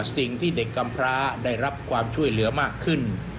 สิ่งที่เด็กกำพร้าได้รับความช่วยเหลือมากขึ้น